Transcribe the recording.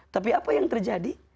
tapi apa yang terjadi